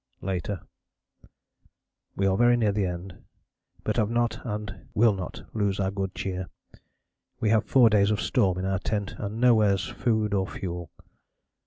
Later. We are very near the end, but have not and will not lose our good cheer. We have four days of storm in our tent and nowhere's food or fuel.